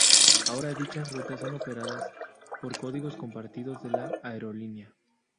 Ahora dichas rutas son operadas por códigos compartidos de la aerolínea.